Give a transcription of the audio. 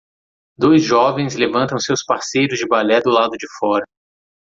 Dois jovens levantam seus parceiros de balé do lado de fora.